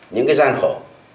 những gian khổ